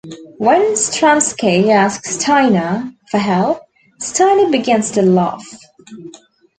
When Stransky asks Steiner for help, Steiner begins to laugh.